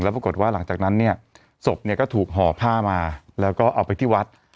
ปรากฏว่าหลังจากนั้นเนี่ยศพเนี่ยก็ถูกห่อผ้ามาแล้วก็เอาไปที่วัด